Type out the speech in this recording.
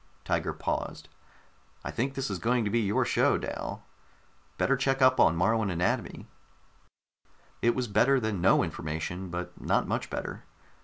Tiger paused. "I think this is going to be your show, Dal. Better check up on Moruan anatomy." It was better than no information, but not much better.